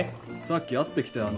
さっき会ってきたよ。